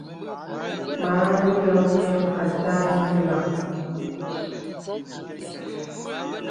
Mâ ǹyilaŋ nyə̀ à tâ ǹyìplàŋ.